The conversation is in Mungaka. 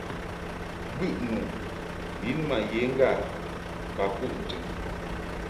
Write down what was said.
Bɨʼnu lin ma ye ŋga ba kuʼ ntɨn.